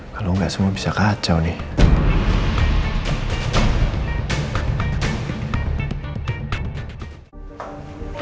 kalau enggak semua bisa kacau nih